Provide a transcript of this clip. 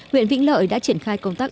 huyện vĩnh lợi đã triển khai công tác